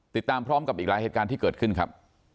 ติดตามพร้อมกับอีกหลายเหตุการณ์ที่เกิดขึ้นครับ